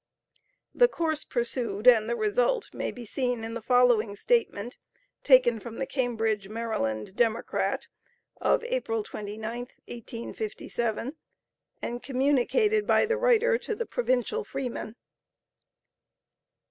The course pursued and the result, may be seen in the following statement taken from the Cambridge (Md.), "Democrat," of April 29th, 1857, and communicated by the writer to the "Provincial Freeman."